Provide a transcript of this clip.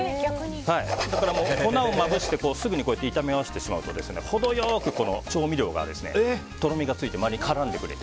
だから、粉をまぶしてすぐに炒め合わせてしまうと程良く調味料がとろみがついて周りに絡んでくれて。